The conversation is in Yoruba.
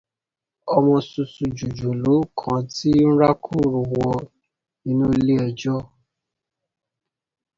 Ọmọ tuntun jòjòló kan ti rákòrò wọ inú ilé ẹjọ́